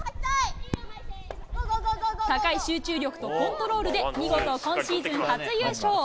高い集中力とコントロールで、見事、今シーズン初優勝。